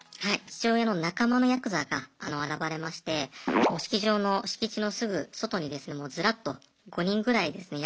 父親の仲間のヤクザが現れまして式場の敷地のすぐ外にですねもうズラッと５人ぐらいですね